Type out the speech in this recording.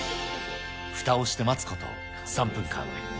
ふたをして待つこと３分間。